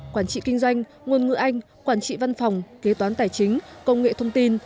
quản trị kinh doanh ngôn ngữ anh quản trị văn phòng kế toán tài chính công nghệ thông tin